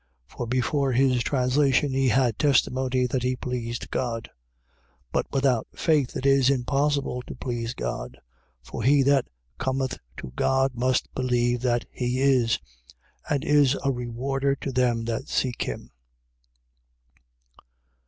For before his translation he had testimony that he pleased God. 11:6. But without faith it is impossible to please God. For he that cometh to God must believe that he is: and is a rewarder to them that seek him.